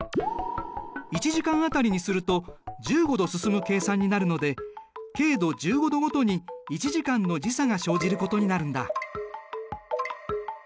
１時間当たりにすると１５度進む計算になるので経度１５度ごとに１時間の時差が生じることになるんだ。